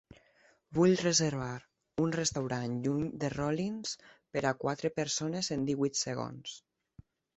Vull reservar un restaurant lluny de Rollins per a quatre persones en divuit segons.